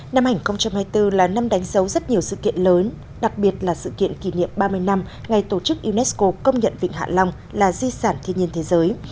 năm hai nghìn hai mươi bốn là năm đánh dấu rất nhiều sự kiện lớn đặc biệt là sự kiện kỷ niệm ba mươi năm ngày tổ chức unesco công nhận vịnh hạ long là di sản thiên nhiên thế giới